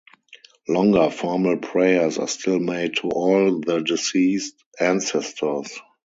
Longer formal prayers are still made to all the deceased ancestors.